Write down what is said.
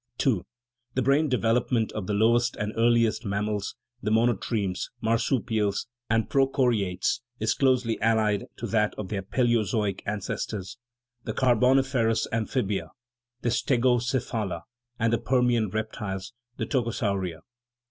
II. The brain development of the lowest and earliest mammals (the monotremes, marsupials, and procho riates) is closely allied to that of their palaeozoic ances tors, the Carboniferous amphibia (the stegocephala) and the Permian reptiles (the tocosauria).